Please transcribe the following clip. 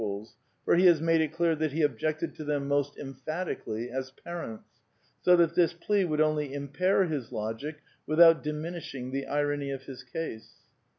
is, for he has made it clear that he objected to them most emphatically as parents; so that this plea would only impair his logic without diminishing the irony of his case.